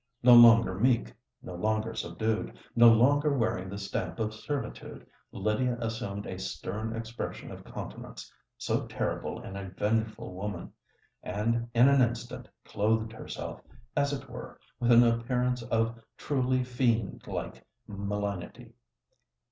No longer meek—no longer subdued—no longer wearing the stamp of servitude Lydia assumed a stern expression of countenance—so terrible in a vengeful woman—and in an instant clothed herself, as it were, with an appearance of truly fiend like malignity.